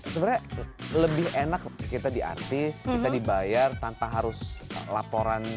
sebenarnya lebih enak kita di artis kita dibayar tanpa harus laporan